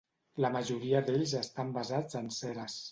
La majoria d'ells estan basats en ceres.